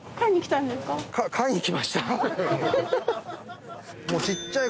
買いに来ました。